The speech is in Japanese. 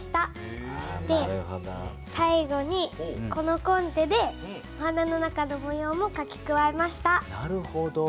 そして最後にこのコンテでお花の中のも様もかき加えました。